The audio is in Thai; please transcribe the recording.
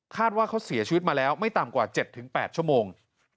ว่าเขาเสียชีวิตมาแล้วไม่ต่ำกว่า๗๘ชั่วโมง